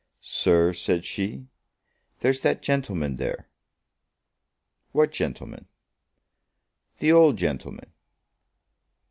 "Sir," said she, "there's that gentleman there." "What gentleman?" "The old gentleman."